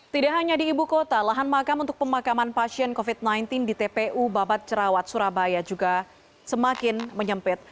tidak hanya di ibu kota lahan makam untuk pemakaman pasien covid sembilan belas di tpu babat cerawat surabaya juga semakin menyempit